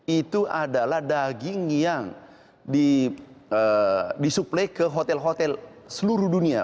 itu adalah daging yang disuplai ke hotel hotel seluruh dunia